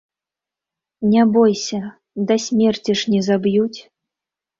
Не бойся, да смерці ж не заб'юць.